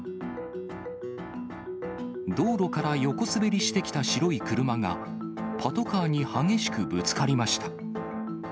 道路から横滑りしてきた白い車が、パトカーに激しくぶつかりました。